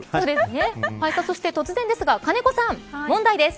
突然ですが、金子さん問題です。